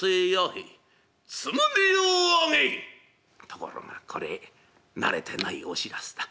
ところがこれ慣れてないお白州だ。